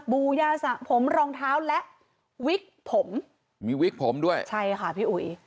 บูยาสะผมรองเท้าและวิกผมมีวิกผมด้วยใช่ค่ะพี่อุ๋ย